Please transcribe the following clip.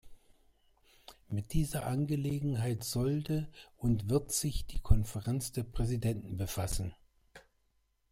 Mit dieser Angelegenheit sollte und wird sich die Konferenz der Präsidenten befassen.